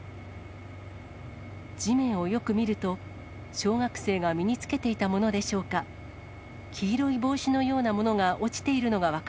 地面をよく見ると、小学生が身につけていたものでしょうか。